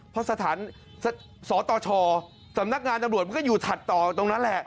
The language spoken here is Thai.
เพราะสถานสตชสำนักงานตำรวจมันก็อยู่ถัดต่อตรงนั้นแหละ